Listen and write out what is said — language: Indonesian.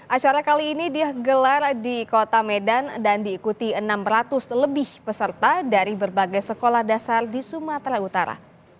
acara kali ini digelar di kota medan dan diikuti enam ratus lebih peserta dari berbagai sekolah dasar di sumatera utara